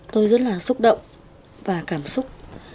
tôi rất là xúc động và cảm xúc